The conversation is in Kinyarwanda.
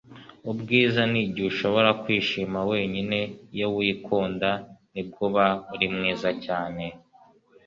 ubwiza nigihe ushobora kwishima wenyine. iyo wikunda, nibwo uba uri mwiza cyane